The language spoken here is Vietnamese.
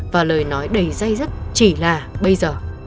và lời nói đầy dây dứt chỉ là bây giờ